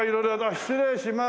失礼します。